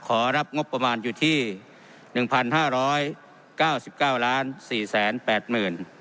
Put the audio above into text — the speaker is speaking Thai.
ขอรับงบประมาณอยู่ที่หนึ่งพันห้าร้อยเก้าสิบเก้าล้านสี่แสนแปดหมื่น